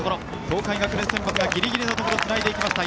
東海学連選抜がギリギリのところつないでいきました